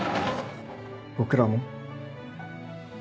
僕らも。